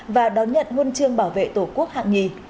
và đón nhận huân chương bảo vệ tổ quốc hạng nhì